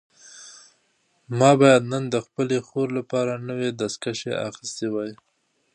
ما باید نن د خپلې خور لپاره نوي دستکشې اخیستې وای.